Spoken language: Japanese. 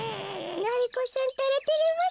がり子さんったらてれますねえ。